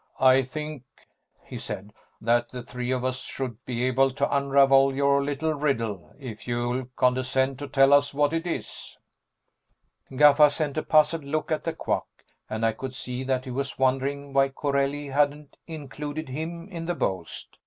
"I think," he said, "that the three of us should be able to unravel your little riddle, if you'll condescend to tell us what it is." Gaffa sent a puzzled look at the Quack, and I could see that he was wondering why Corelli hadn't included him in the boast.